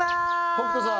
北斗さん